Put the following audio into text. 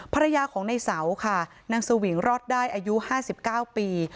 ภรรยาของในเสาค่ะนางสวิงรอดได้อายุ๕๙ปี